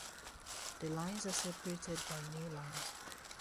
The lines are separated by newlines.